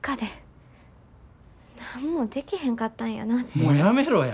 もうやめろや！